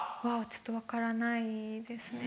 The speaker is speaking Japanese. ちょっと分からないですね。